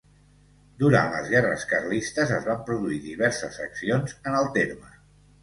Durant les guerres carlistes es van produir diverses accions en el terme.